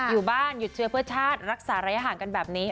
อยู่บ้านหยุดเชื้อเพื่อชาติรักษาระยะห่างกันแบบนี้